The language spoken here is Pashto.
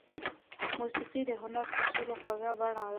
موسیقي د هنر تر ټولو خوږه بڼه ده.